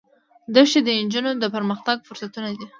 دښتې د نجونو د پرمختګ فرصتونه دي.